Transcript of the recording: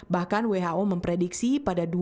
bahkan who memprediksi pada dua ribu tiga puluh nanti